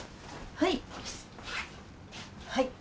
はい。